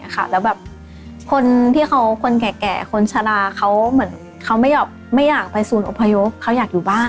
เค้าแก่คนชาวบ้านแล้วแบบเขาไม่อยากไปสูญอพยพเค้าอยากอยู่บ้าน